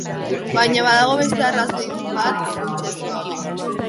Baina badago beste arrazoi bat funtsezkoagoa.